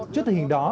trước thời hình đó